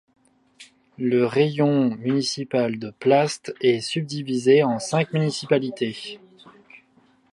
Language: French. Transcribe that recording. Le raïon municipal de Plast est subdivisé en cinq municipalités.